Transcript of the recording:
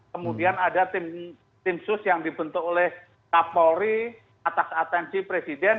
kemudian ada tim sus yang dibentuk oleh kapolri atas atensi presiden